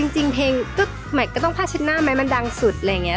จริงเพลงแหม็กก็ต้องภาซเฉ็ดหน้ามันดังสุดแบบเงี้ย